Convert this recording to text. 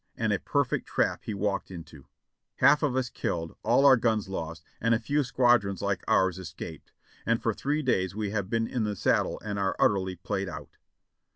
and a perfect trap he walked into — half of us killed, all our guns lost, and a few squad rons like ours escaped, and for three days we have been in the saddle and are utterly played out.''